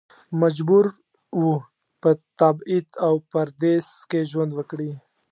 مجبور و په تبعید او پردیس کې ژوند وکړي.